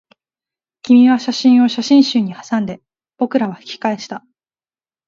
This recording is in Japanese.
君は写真を写真集にはさんで、僕らは引き返した